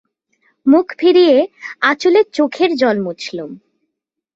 মুখ ফিরিয়ে আঁচলে চোখের জল মুছলুম।